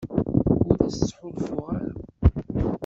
Ur as-ttḥulfuɣ ara.